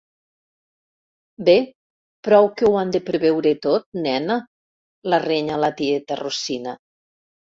Bé prou que ho han de preveure tot, nena —la renya la tieta Rosina—.